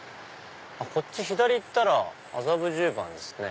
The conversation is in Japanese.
左行ったら麻布十番ですね。